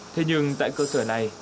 thế nhưng tại cơ sở này